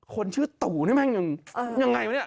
คนชื่อตู่นี่แม่งยังไงวะเนี่ย